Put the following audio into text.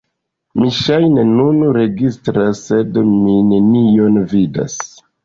Mi ŝajne nun registras sed mi nenion vidas